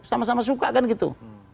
sama sama suka kan gitu